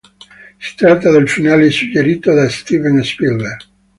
Si tratta del finale suggerito da Steven Spielberg.